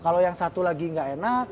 kalau yang satu lagi nggak enak